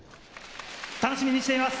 楽しみにしてます。